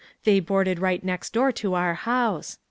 They boarded right next door to our house.